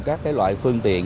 các loại phương tiện